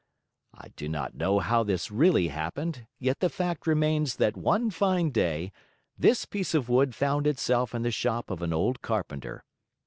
I do not know how this really happened, yet the fact remains that one fine day this piece of wood found itself in the shop of an old carpenter.